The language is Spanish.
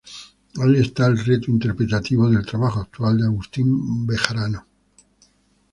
Ahí está el reto interpretativo del trabajo actual de Agustín Bejarano".